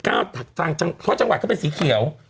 เพราะจังหวัดเขาเป็นสีเขียว